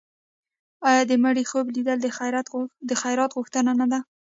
آیا د مړي خوب لیدل د خیرات غوښتنه نه ده؟